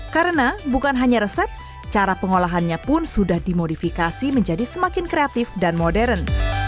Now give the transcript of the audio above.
karena bukan hanya resep cara pengolahannya pun sudah dimodifikasi menjadi semakin kreatif dan modern